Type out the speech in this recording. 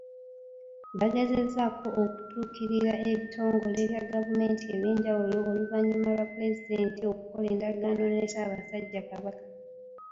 Bagezezzaako okutuukirira ebitongole bya gavumenti ebyenjawulo oluvannyuma lwa Pulezidenti okukola endagaano ne Ssaabasajja Kabaka.